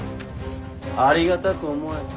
ありがたく思え。